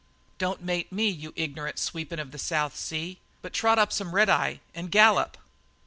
"Don't mate me, you igner'nt sweepin' of the South Sea, but trot up some red eye and gallop."